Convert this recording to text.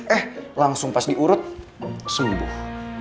eh langsung pas diurut sembuh